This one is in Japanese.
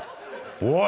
おい！